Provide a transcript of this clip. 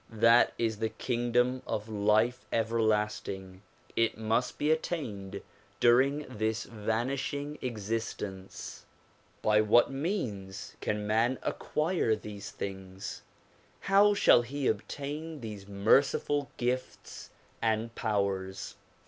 That is the kingdom of life everlasting ; it must be attained during this vanish ing existence. By what means can man acquire these things? How shall he obtain these merciful gifts and powers